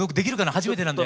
初めてなんで。